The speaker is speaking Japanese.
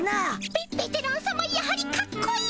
ベベテランさまやはりかっこいい。